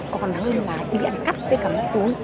còn đáng hơn là đi ăn cắp với cả một túi